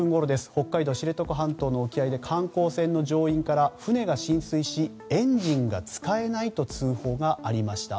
北海道知床半島の沖合で観光船の乗員から船が浸水しエンジンが使えないと通報がありました。